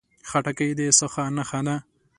خټکی د سخا نښه ده.